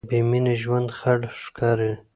بېمینې ژوند خړ ښکاري.